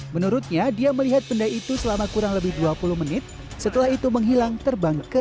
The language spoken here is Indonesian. menurutnya dia melihat benda itu selama kurang lebih dua puluh menit setelah itu menghilang terbang ke